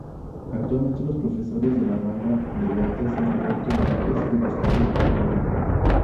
Actualmente, los profesores de la banda de gaitas son Alberto Varillas y Gustavo Eguren.